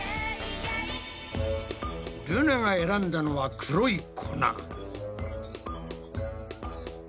ルナが選んだのは黒い粉。